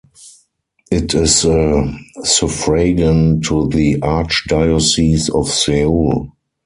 It is a suffragan to the Archdiocese of Seoul.